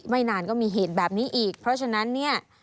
ไม่นานก็มีเหตุแบบนี้อีกเพราะฉะนั้นเนี่ย